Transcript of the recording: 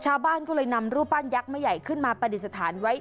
ชาวบ้านก็เลยนำรูปปั้นยักษ์ไม่ใหญ่ขึ้นมาปฏิสถานไว้